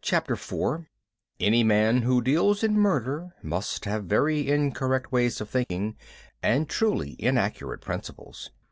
CHAPTER 4 _Any man who deals in murder, must have very incorrect ways of thinking, and truly inaccurate principles.